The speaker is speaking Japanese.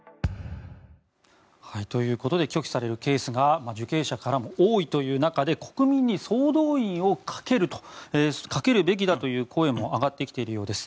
ということで拒否されるケースが受刑者からも多いという中で国民に総動員をかけるべきだという声も上がってきているようです。